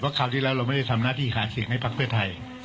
คราวที่แล้วเราไม่ได้ทำหน้าที่หาเสียงให้พักเพื่อไทย